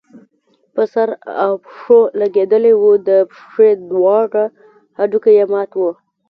په سر او پښو لګېدلی وو، د پښې دواړه هډوکي يې مات وو